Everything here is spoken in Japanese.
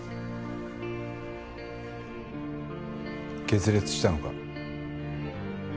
決裂したのか？